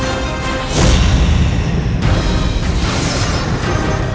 kau tidak bisa menang